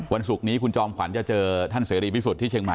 ศุกร์นี้คุณจอมขวัญจะเจอท่านเสรีพิสุทธิ์ที่เชียงใหม่